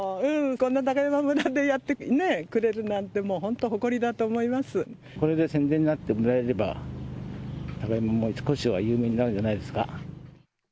こんな高山村でやってくれるなんて、これで宣伝になってもらえれば、高山村も少しは有名になるんじゃないですか。